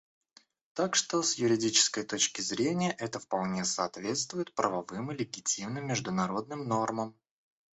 Так что с юридической точки зрения, это вполне соответствует правовым и легитимным международным нормам.